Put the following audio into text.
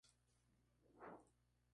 Se le atribuyen una serie de máximas.